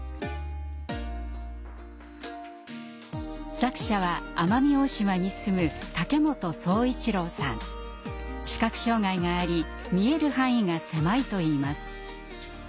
作者は奄美大島に住む視覚障害があり見える範囲が狭いといいます。